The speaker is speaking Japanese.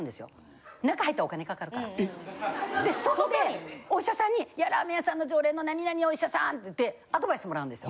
え？で外でお医者さんにラーメン屋さんの常連の何々お医者さんってアドバイスもらうんですよ。